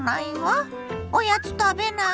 おやつ食べないの？